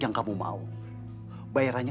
yang kamu mau bayarannya